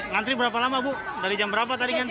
ngantri berapa lama bu dari jam berapa tadi ngantri